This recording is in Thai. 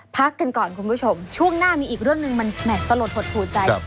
พักกันก่อนคุณผู้ชมช่วงหน้ามีอีกเรื่องหนึ่งมันแหม่สลดหดหูใจ